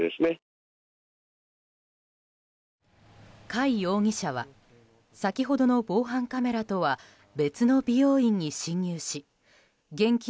貝容疑者は先ほどの防犯カメラとは別の美容院に侵入し現金